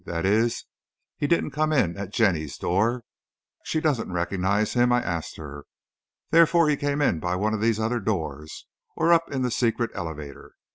That is, he didn't come in at Jenny's door. She doesn't recognize him, I asked her. Therefore, he came in by one of these other doors, or up in the secret elevator.